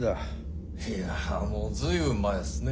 いやもう随分前っすね。